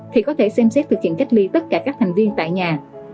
thì có thể xem xét thực hiện cách ly tất cả các thành viên tại nhà